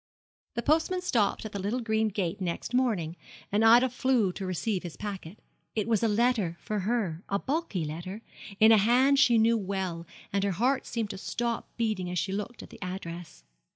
The postman stopped at the little green gate next morning, and Ida flew to receive his packet. It was a letter for her a bulky letter in a hand she knew well, and her heart seemed to stop beating as she looked at the address.